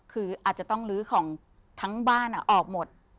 คืออาจจะต้องลื้อของทั้งบ้านออกหมด